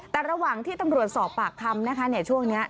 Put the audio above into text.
แต่ระหว่างที่ตำรวจสอบปากคำนะคะช่วงนี้